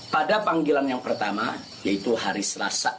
pada panggilan yang pertama yaitu hari selasa